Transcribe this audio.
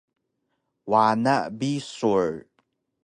wana bisur